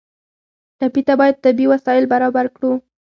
ټپي ته باید طبي وسایل برابر کړو.